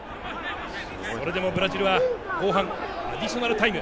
それでもブラジルは後半アディショナルタイム。